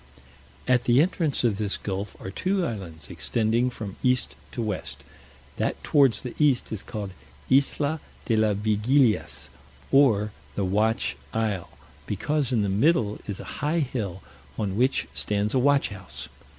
At the entrance of this gulf are two islands extending from east to west; that towards the east is called Isla de las Vigilias, or the Watch Isle; because in the middle is a high hill, on which stands a watch house.